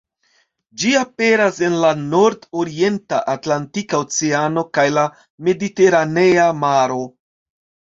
Ĝi aperas en la nord-orienta Atlantika Oceano kaj la Mediteranea Maro.